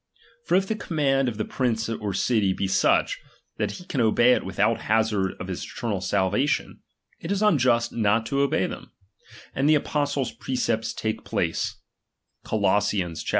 For if the command of the ^H prince or city be such, that he can obey it without ^H hazard of his eternal salvation, it is unjust not to ^H obey them ; and the apostle's precepts take place ^H (Col.